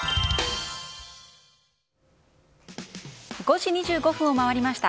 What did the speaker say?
５時２５分を回りました。